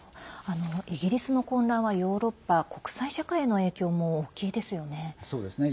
イギリスの混乱はヨーロッパ国際社会への影響も大きいですよね。